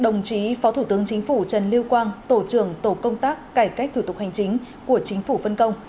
đồng chí phó thủ tướng chính phủ trần lưu quang tổ trưởng tổ công tác cải cách thủ tục hành chính của chính phủ phân công